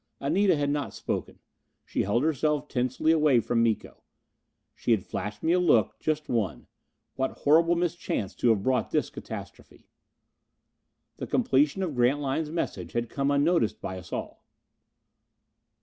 Anita had not spoken. She held herself tensely away from Miko; she had flashed me a look just one. What horrible mischance to have brought this catastrophe! The completion of Grantline's message had come unnoticed by us all.